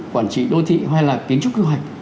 quản trị đô thị hay là kiến trúc quy hoạch